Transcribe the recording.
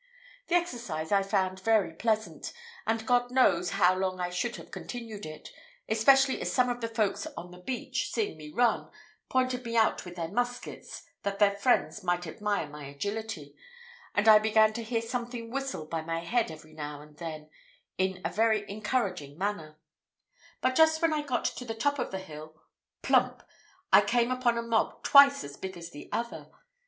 The exercise I found very pleasant, and God knows how long I should have continued it, especially as some of the folks on the beach, seeing me run, pointed me out with their muskets, that their friends might admire my agility, and I began to hear something whistle by my head every now and then in a very encouraging manner; but just when I got to the top of the hill plump I came upon a mob twice as big as the other.